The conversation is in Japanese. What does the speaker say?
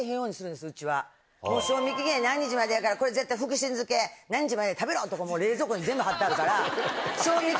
賞味期限何日までやからこれ福神漬け何日までに食べろ！とか冷蔵庫に全部貼ってあるから。